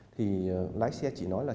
thì lái xe chỉ nói là